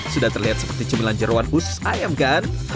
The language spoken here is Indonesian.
sudah terlihat seperti cemilan jeruan khusus ayam kan